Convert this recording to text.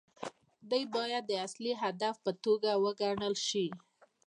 دوی باید د اصلي هدف په توګه وګڼل شي.